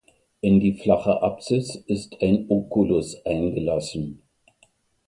In die flache Apsis ist ein Oculus eingelassen.